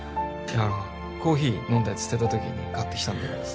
コーヒー飲んだやつ捨てた時に買ってきたんだけどさ